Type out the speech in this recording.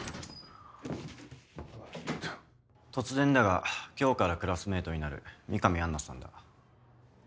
突然だが今日からクラスメートになる美神アンナさんだ。